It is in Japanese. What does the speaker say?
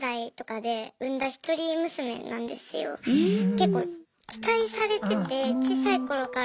結構期待されてて小さい頃から。